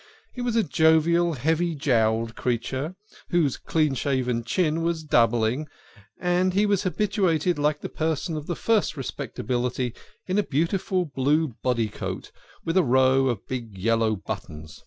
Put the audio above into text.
He was a jovial, heavy jowled creature, whose clean shaven chin was doubling, and he was habited like a person of the first respectability in a beautiful blue body coat with a row of big yellow buttons.